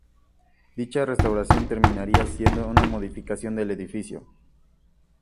Dicha restauración terminaría siendo una modificación del edificio.